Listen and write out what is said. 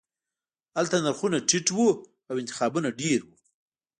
هلته نرخونه ټیټ وو او انتخابونه ډیر وو